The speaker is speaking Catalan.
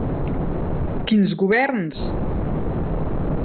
Quins governs?